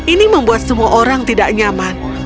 ini membuat semua orang tidak nyaman